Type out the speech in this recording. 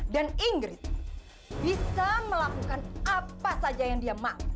dan ingrid bisa melakukan apa saja yang dia mau